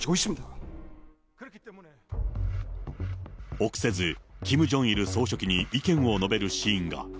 臆せずキム・ジョンイル総書記に意見を述べるシーンが。